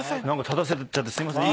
立たせちゃってすいません。